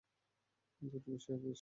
দুটো বিয়ারই শেষ করেছিস?